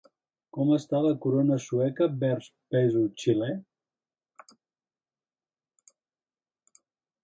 Com està la corona sueca vers peso xilè?